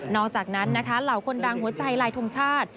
นอกจากนั้นเหล่าคนดังหัวใจลายธงชาติ